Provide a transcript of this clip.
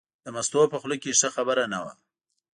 د مستو په خوله کې ښه خبره نه وه.